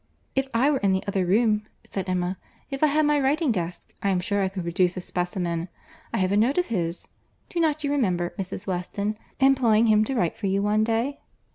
"If we were in the other room," said Emma, "if I had my writing desk, I am sure I could produce a specimen. I have a note of his.—Do not you remember, Mrs. Weston, employing him to write for you one day?"